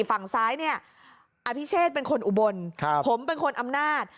ฝั่งซ้ายเนี่ยอภิเชษเป็นคนอุบลผมเป็นคนอำนาจ